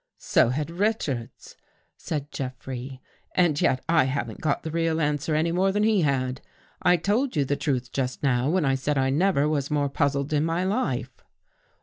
" So had Richards," said Jeffrey. " And yet I haven't got the real answer any more than he had. I told you the truth just now, when I said I never was more puzzled in my life."